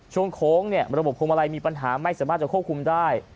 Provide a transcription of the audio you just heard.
โค้งระบบพวงมาลัยมีปัญหาไม่สามารถจะควบคุมได้